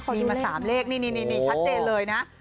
มีมา๓เลขนี่ชัดเจนเลยนะ